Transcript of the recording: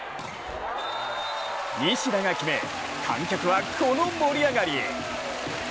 西田が決め、観客はこの盛り上がり。